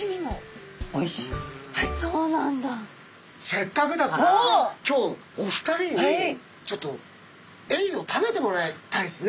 せっかくだから今日お二人にちょっとエイを食べてもらいたいですね。